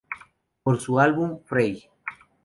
Por su álbum "Frei!